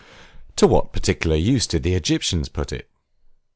To what particular use did the Egyptians put it?